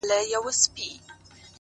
را گران يې کله کم او کله زيات راته وايي-